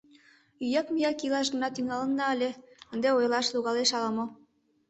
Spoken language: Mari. — Ӱяк-мӱяк илаш гына тӱҥалынна ыле, ынде ойырлаш логалеш ала-мо.